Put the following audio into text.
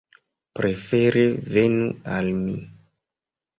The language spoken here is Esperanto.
Prefere venu al mi.